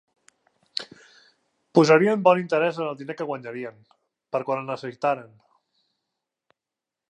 Posarien bon interès en el diner que guanyarien, per a quan el necessitaren.